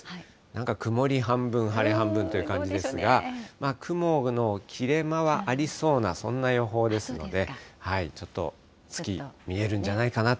なんか曇り半分、晴れ半分という感じですが、雲の切れ間はありそうな、そんな予報ですので、ちょっと月、見えるんじゃないかな。